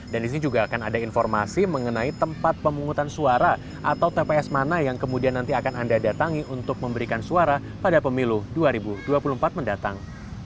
dan di sini juga akan ada informasi mengenai tempat pemungutan suara atau tps mana yang kemudian nanti akan anda datangi untuk memberikan suara pada pemilu dua ribu dua puluh empat mendatang